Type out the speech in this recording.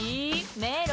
メロ！